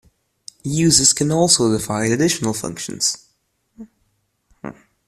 Users can also define additional functions.